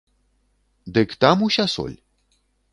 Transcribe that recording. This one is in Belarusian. Дык там уся соль?